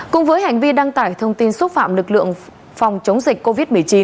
cùng với hành vi đăng tải thông tin xúc phạm lực lượng phòng chống dịch covid một mươi chín